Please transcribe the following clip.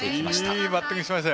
いいバッティングしました。